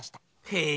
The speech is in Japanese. へえ。